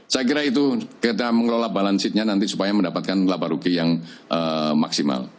saya kira itu kita mengelola balance sheet nya nanti supaya mendapatkan lapar rugi yang maksimal